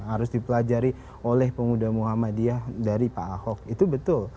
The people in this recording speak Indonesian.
harus dipelajari oleh pemuda muhammadiyah dari pak ahok itu betul